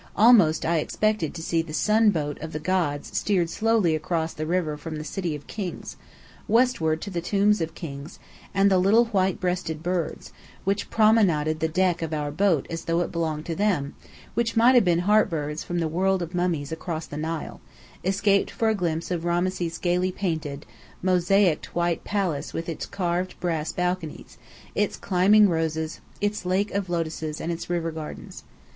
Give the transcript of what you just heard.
Almost I expected to see the sun boat of the gods steered slowly across the river from the city of Kings, westward to the tombs of Kings; and the little white breasted birds, which promenaded the deck of our boat as though it belonged to them, might have been Heart birds from the world of mummies across the Nile, escaped for a glimpse of Rameses' gayly painted, mosaiced white palace with its carved brass balconies, its climbing roses, its lake of lotuses and its river gardens.